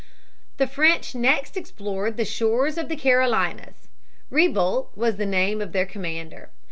The French next explored the shores of the Carolinas. Ribault (Re' bo') was the name of their commander.